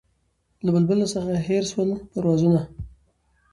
له بلبله څخه هېر سول پروازونه